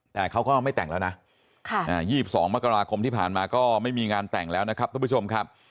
แต่เขาก็ไม่แต่งแล้วนะ๒๒มกราคมที่ผ่านมาก็ไม่มีงานแต่งแล้วนะครับทุกผู้ชมครับ